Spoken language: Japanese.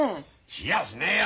しやしねえよ